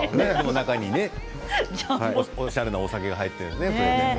中におしゃれなお酒が入っているのね。